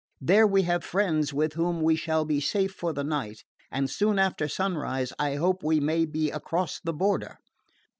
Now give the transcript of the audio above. There we have friends with whom we shall be safe for the night, and soon after sunrise I hope we may be across the border."